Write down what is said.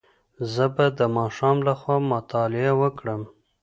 زه به د ماښام له خوا مطالعه وکړم.